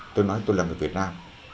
tôi nói tôi là người việt nam